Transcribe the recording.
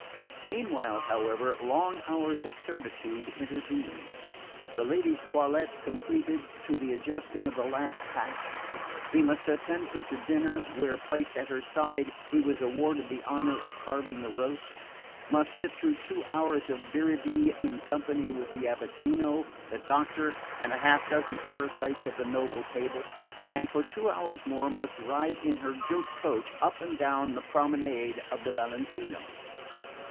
Meanwhile, however, long hours of servitude intervened. The lady's toilet completed, to the adjusting of the last patch, he must attend her to dinner, where, placed at her side, he was awarded the honour of carving the roast; must sit through two hours of biribi in company with the abatino, the doctor, and half a dozen parasites of the noble table; and for two hours more must ride in her gilt coach up and down the promenade of the Valentino.